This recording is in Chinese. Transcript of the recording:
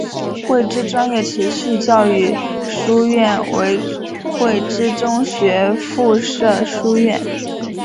汇知专业持续教育书院为汇知中学附设书院。